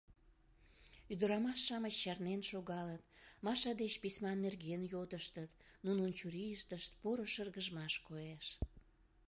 Ӱдырамаш-шамыч чарнен шогалыт, Маша деч письма нерген йодыштыт, нунын чурийыштышт поро шыргыжмаш коеш.